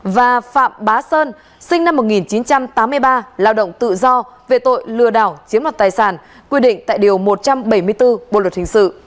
và phạm bá sơn sinh năm một nghìn chín trăm tám mươi ba lao động tự do về tội lừa đảo chiếm đoạt tài sản quy định tại điều một trăm bảy mươi bốn bộ luật hình sự